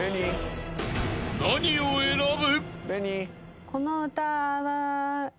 ［何を選ぶ？］